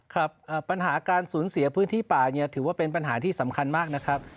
ครับปัญหาการสูญเสียพื้นที่ป่าเนี่ยถือว่าเป็นปัญหาที่สำคัญมากนะครับ